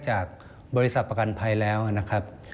จากบริษัทประกันภัยแล้วนะครับ